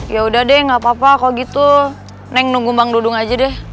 yaudah deh gapapa kalau gitu neng nunggu bang dudung aja deh